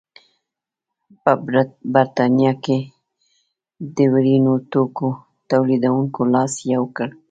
په برېټانیا کې د وړینو توکو تولیدوونکو لاس یو کړ.